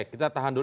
kita tahan dulu